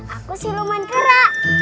aku siluman kera